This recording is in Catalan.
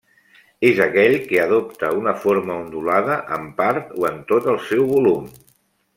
És aquell que adopta una forma ondulada en part o en tot el seu volum.